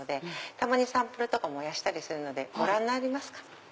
たまにサンプルとか燃やすのでご覧になりますか？